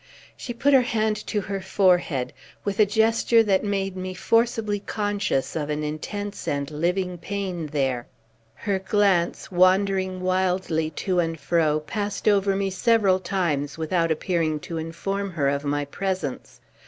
She put her hand to her forehead, with a gesture that made me forcibly conscious of an intense and living pain there. Her glance, wandering wildly to and fro, passed over me several times, without appearing to inform her of my presence.